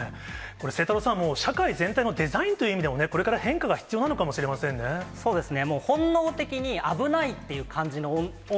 これ、晴太郎さん、もう社会全体のこういう意味でも、これから変化が必要なのかもしれそうですね。